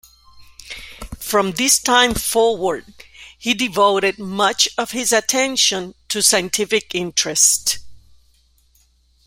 From this time forward he devoted much of his attention to scientific interests.